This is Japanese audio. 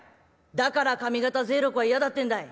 「だから上方贅六は嫌だってんだい。